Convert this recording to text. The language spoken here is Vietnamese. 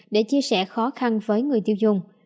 để chia sẻ khó khăn với người tiêu dùng